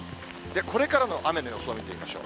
これからの雨の予想を見てみましょう。